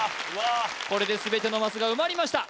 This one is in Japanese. これで全てのマスが埋まりました